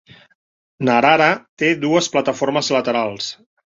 Narara té dues plataformes laterals.